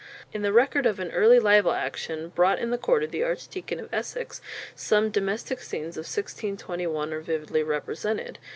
In the record of an early libel action brought in the court of the Archdeacon of Essex, some domestic scenes of 1621 are vividly represented.